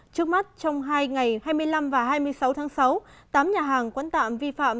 trước mắt trong hai ngày hai mươi năm và hai mươi sáu tháng sáu tám nhà hàng quán tạm vi phạm